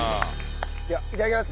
ではいただきます。